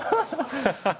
ハハハハ！